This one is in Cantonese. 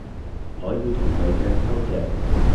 我要同佢隻揪隻